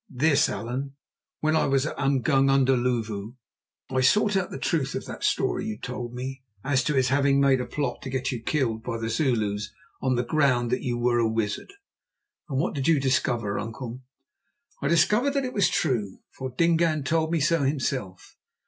"This, Allan. When I was at Umgungundhlovu I sought out the truth of that story you told me as to his having made a plot to get you killed by the Zulus on the ground that you were a wizard." "And what did you discover, uncle?" "I discovered that it was true, for Dingaan told me so himself.